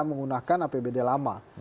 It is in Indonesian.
menggunakan apbd lama